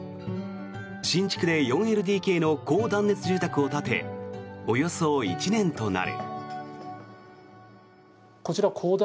新築で４ＬＤＫの高断熱住宅を建ておよそ１年となる。